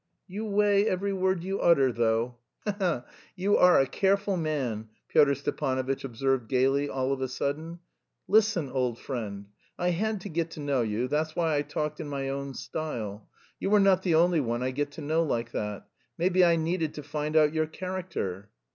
"You weigh every word you utter, though. He he! You are a careful man!" Pyotr Stepanovitch observed gaily all of a sudden. "Listen, old friend. I had to get to know you; that's why I talked in my own style. You are not the only one I get to know like that. Maybe I needed to find out your character."